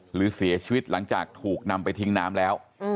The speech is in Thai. หรือเสียชีวิตหลังจากถูกนำไปทิ้งน้ำแล้ว